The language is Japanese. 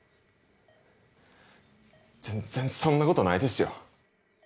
全然そんなことないですよ